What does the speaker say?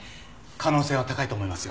可能性は高いと思いますよ。